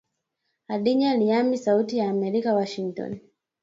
Khadija Riyami sauti ya america Washington